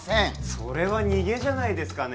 それは逃げじゃないですかね